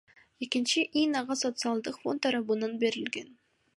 Экинчи ИНН ага Социалдык фонд тарабынан берилген.